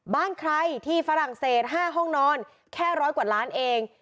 บ้านใครที่ฝรั่งเศส๕ห้องนอนแค่ร้อยกว่าล้านเอง